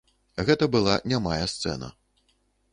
Гэта была нямая сцэна.